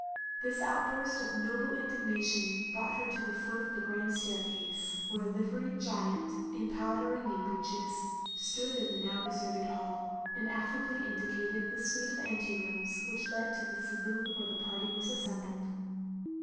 This outburst of noble indignation brought her to the foot of the grand staircase; where a liveried giant, in powder and knee breeches, stood in the now deserted hall, and affably indicated the suite of ante rooms which led to the saloon where the party was assembled.